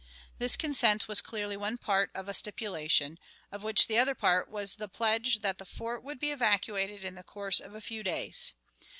This consent was clearly one part of a stipulation, of which the other part was the pledge that the fort would be evacuated in the course of a few days.